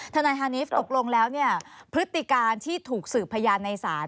ทนายฮานิฟตกลงแล้วเนี่ยพฤติการที่ถูกสืบพยานในศาล